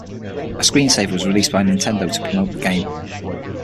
A screensaver was released by Nintendo to promote the game.